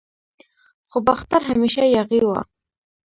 خو باختر همیشه یاغي و